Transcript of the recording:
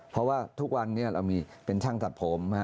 เพราะว่าทุกวันนี้เรามีเป็นช่างตัดผม